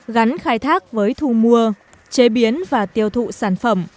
gắn khai thác với thu mua chế biến và tiêu thụ sản phẩm